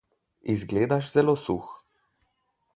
Izgledaš zelo suh.